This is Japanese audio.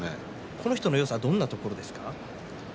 この人のよさはどんなところですか？